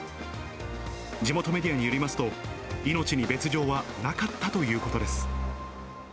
地元メディアによりますと、命に別状はなかったということです。